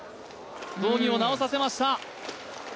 道着を直させました。